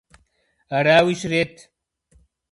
Арауи щрет!